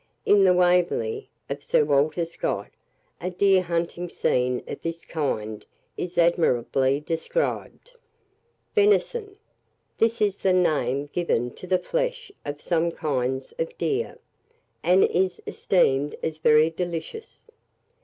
In the "Waverley" of Sir Walter Scott, a deer hunting scene of this kind is admirably described. VENISON. This is the name given to the flesh of some kinds of deer, and is esteemed as very delicious.